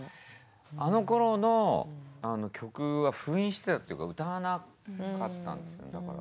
あのころの曲は封印してたっていうか歌わなかったんですよ。